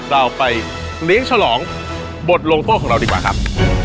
เราไปเลี้ยงฉลองบทลงโทษของเราดีกว่าครับ